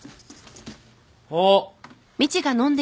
あっ。